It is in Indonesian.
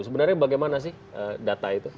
sebenarnya bagaimana sih data itu